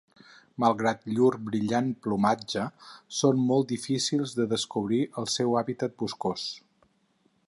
Malgrat llur brillant plomatge, són molt difícils de descobrir al seu hàbitat boscós.